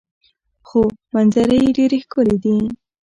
خو منظرې یې ډیرې ښکلې دي.